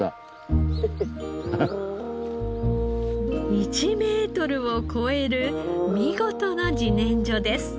１メートルを超える見事な自然薯です。